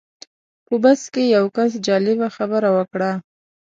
په بس کې یو کس جالبه خبره وکړه.